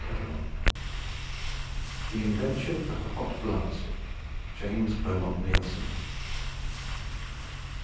CHAPTER IX. INVENTION OF THE HOT BLAST JAMES BEAUMONT NEILSON.